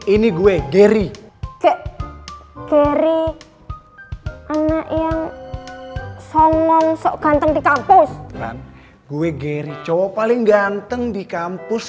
ini gue geri kek keri anak yang songong sok ganteng di kampus kan gue geri cowok paling ganteng di kampus